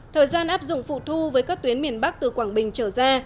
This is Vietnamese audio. thời gian áp dụng phụ thu với các tuyến miền bắc từ quảng bình trở ra